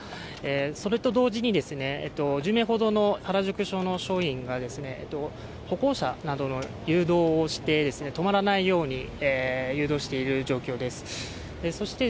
それと同時に、１０名ほどの原宿署の署員が歩行者などの誘導をしてですね、止まらないように誘導している状況です。